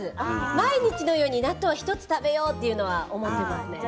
毎日のように納豆を２つ食べようと思っています。